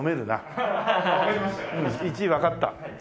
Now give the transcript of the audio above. １位わかった。